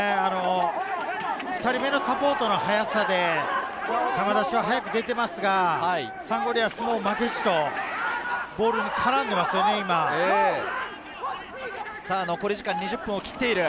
２人目のサポートの速さで、球出しは早く出ていますが、サンゴリアスも負けじとボールに残り時間２０分を切っている。